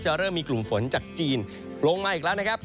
เริ่มมีกลุ่มฝนจากจีนลงมาอีกแล้วนะครับ